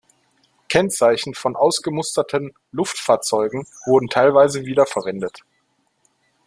Kennzeichen von ausgemusterten Luftfahrzeugen wurden teilweise wieder verwendet.